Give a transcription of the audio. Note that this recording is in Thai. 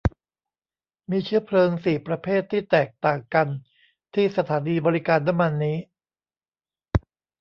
มีเชื้อเพลิงสี่ประเภทที่แตกต่างกันที่สถานีบริการน้ำมันนี้